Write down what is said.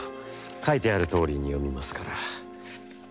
書いてあるとおりに読みますから」。